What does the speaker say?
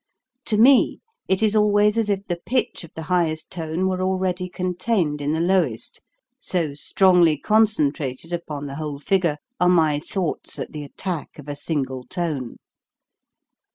To me it is always as if the pitch of the highest tone were already contained in the lowest, so strongly concentrated upon the whole figure are my thoughts at the attack of a single tone.